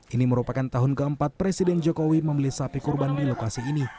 ini merupakan tahun keempat presiden jokowi membeli sapi kurban di lokasi ini